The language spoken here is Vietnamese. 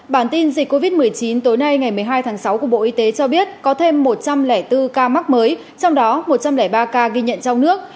bản tin dịch covid một mươi chín tối nay ngày một mươi hai tháng sáu của bộ y tế cho biết có thêm một trăm linh bốn ca mắc mới trong đó một trăm linh ba ca ghi nhận trong nước